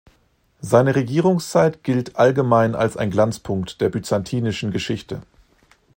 Seine Regierungszeit gilt allgemein als ein Glanzpunkt der byzantinischen Geschichte.